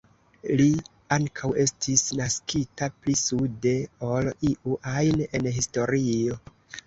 Li ankaŭ estis naskita pli sude ol iu ajn en historio.